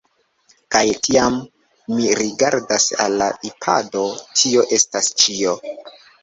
Kaj, tiam, mi rigardas al la ipado: tio estas ĉio.